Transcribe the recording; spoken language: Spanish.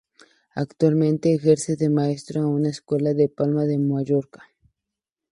Actualmente ejerce de maestro en una escuela de Palma de Mallorca.